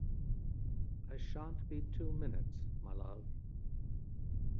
I shan't be two minutes, my love!